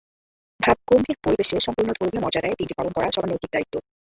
ভাবগম্ভীর পরিবেশে সম্পূর্ণ ধর্মীয় মর্যাদায় দিনটি পালন করা সবার নৈতিক দায়িত্ব।